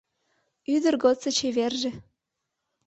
Ӱдыр годсо чеверже